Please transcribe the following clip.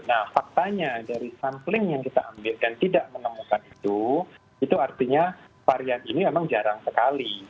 nah faktanya dari sampling yang kita ambil dan tidak menemukan itu itu artinya varian ini memang jarang sekali